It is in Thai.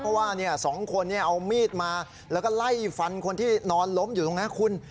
เพราะว่าสองคนเอามีดมาแล้วก็ไล่ฟันคนที่นอนล้มอยู่ตรงนั้นคุณ